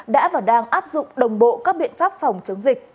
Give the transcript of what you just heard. đã và đang áp dụng đồng bộ các biện pháp phòng chống dịch